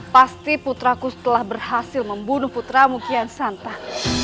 pasti puteraku setelah berhasil membunuh puteramu kian santak